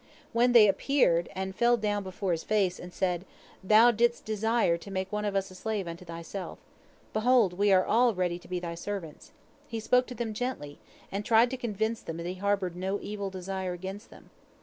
When they appeared, and fell down before his face, and said, "Thou didst desire to make one of us a slave unto thyself. Behold, we all are ready to be thy servants," he spoke to them gently, and tried to convince them that he harbored no evil design against them.